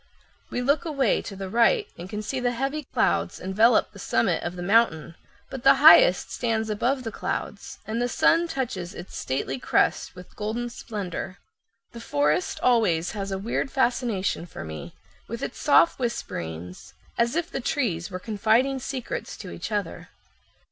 We look away to the right and can see the heavy clouds envelop the summit of the mountain, but the highest stands above the clouds, and the sun touches its stately crest with golden splendor. [Illustration: COMRADES] The forest always has a weird fascination for me, with its soft whisperings, as if the trees were confiding secrets to each other.